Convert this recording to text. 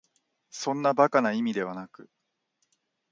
そんな馬鹿な意味ではなく、